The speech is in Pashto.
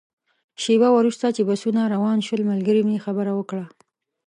شېبه وروسته چې بسونه روان شول، ملګري مې خبره وکړه.